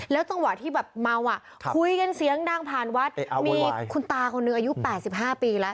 แล้วตอนที่เมาคุยกันเสียงด้านผ่านวัดมีคุณตาคนหนึ่งอายุ๘๕ปีแล้ว